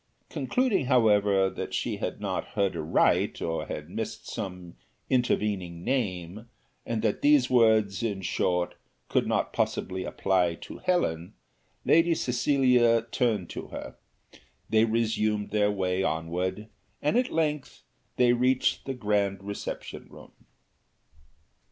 Concluding, however, that she had not heard aright, or had missed some intervening name, and that these words, in short, could not possibly apply to Helen, Lady Cecilia turned to her, they resumed their way onward, and at length they reached the grand reception room.